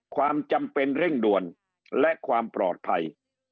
ความจำเป็นเร่งด่วนและความปลอดภัย